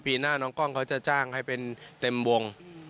หน้าน้องกล้องเขาจะจ้างให้เป็นเต็มวง